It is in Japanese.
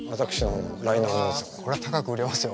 ああこれは高く売れますよ。